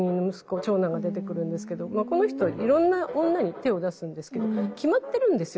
長男が出てくるんですけどこの人いろんな女に手を出すんですけど決まってるんですよ